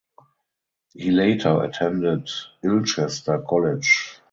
He later attended Ilchester College.